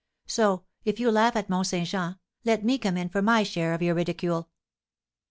So, if you laugh at Mont Saint Jean, let me come in for my share of your ridicule."